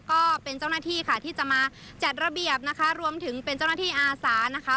ก็เป็นเจ้าหน้าที่ค่ะที่จะมาจัดระเบียบนะคะรวมถึงเป็นเจ้าหน้าที่อาสานะคะ